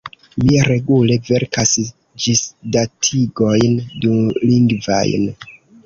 Mi regule verkas ĝisdatigojn dulingvajn.